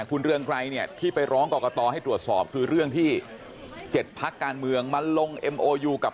คุณสั่งนี่แบบจนทำไม่ทันค่ะ